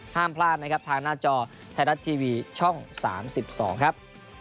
ห้ามพลาดนะครับทางหน้าจอไทยรัฐทีวีช่อง๓๒ครับ